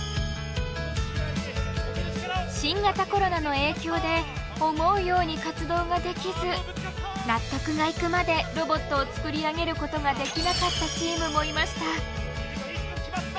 新型コロナの影響で思うように活動ができず納得がいくまでロボットを作り上げることができなかったチームもいました。